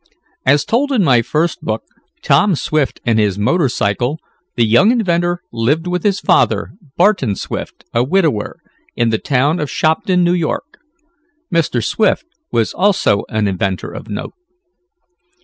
As told in my first book, "Tom Swift and His Motor Cycle" the young inventor lived with his father, Barton Swift, a widower, in the town of Shopton, New York. Mr. Swift was also an inventor of note.